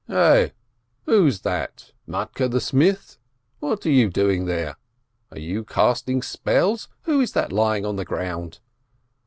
"Ai, who is that? Matke the smith? What are you doing there? Are you casting spells? Who is that lying on the ground?"